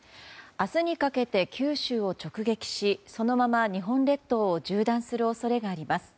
明日にかけて九州を直撃しそのまま日本列島を縦断する恐れがあります。